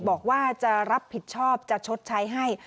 บอกว่าจะรับผิดชอบจะชดใช้ให้